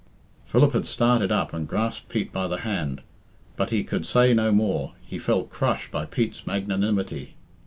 Philip had started up and grasped Pete by the hand, but he could say no more, he felt crushed by Pete's magnanimity.